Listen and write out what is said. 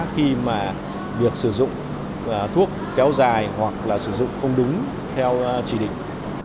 khi mà việc sử dụng thuốc kéo dài hoặc là sử dụng không đúng theo chỉ định